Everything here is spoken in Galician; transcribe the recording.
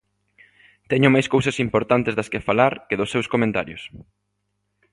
Teño máis cousas importantes das que falar que dos seus comentarios.